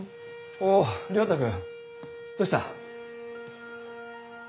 おう良太君どうした？